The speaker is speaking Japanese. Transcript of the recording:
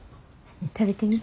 食べてみて。